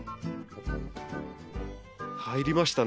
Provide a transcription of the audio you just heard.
入りましたね。